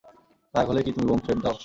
রাগ হলেই কি তুমি বোম্ব থ্রেট দাও?